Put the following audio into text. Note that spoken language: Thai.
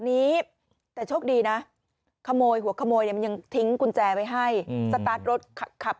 นี้แต่โชคดีนะขโมยหัวขโมยเนี่ยมันยังทิ้งกุญแจไว้ให้สตาร์ทรถขับ